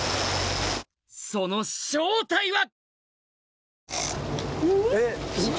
その正体は！